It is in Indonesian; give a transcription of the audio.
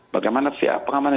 bagaimana via pengamanan